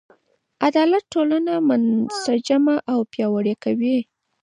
عدالت ټولنه منسجمه او پیاوړې کوي.